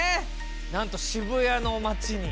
なんと渋谷の街に。